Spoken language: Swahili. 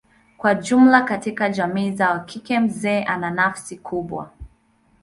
Kwa jumla katika jamii zao kike mzee ana nafasi kubwa.